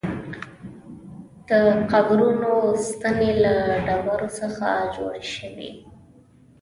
د قبرونو ستنې له ډبرو څخه جوړې شوې وې.